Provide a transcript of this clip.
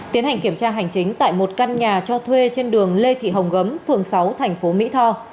tiến hành kiểm tra hành chính tại một căn nhà cho thuê trên đường lê thị hồng gấm phường sáu thành phố mỹ tho